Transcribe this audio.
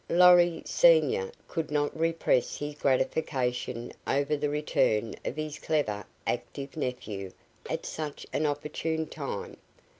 Lorry, senior, could not repress his gratification over the return of his clever, active nephew at such an opportune time.